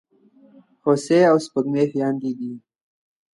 هوسۍ او سپوږمۍ خوېندي دي.